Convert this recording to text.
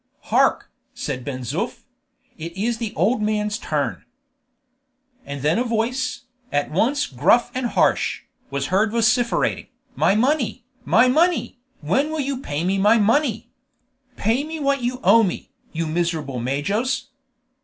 "Hark!" said Ben Zoof; "it is the old man's turn." And then a voice, at once gruff and harsh, was heard vociferating, "My money! my money! when will you pay me my money? Pay me what you owe me, you miserable majos."